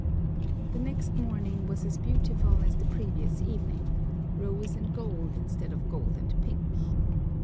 The next morning was as beautiful as the previous evening, rose and gold instead of gold and pink.